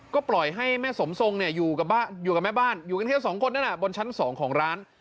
ก็ปล่อยให้แม่สมทรงอยู่กับแม่บ้านอยู่กันแค่สองคนบนชั้นสองของร้าน